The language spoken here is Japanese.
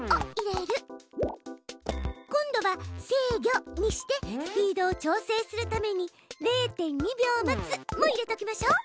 今度は「制御」にしてスピードを調整するために「０．２秒待つ」も入れときましょう。